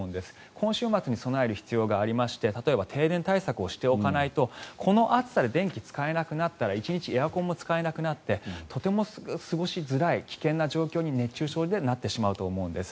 今週末に備える必要がありまして例えば停電対策をしておかないとこの暑さで電気が使えなくなったら１日エアコンも使えなくなってとても過ごしづらい危険な状況に熱中症になってしまうと思うんです。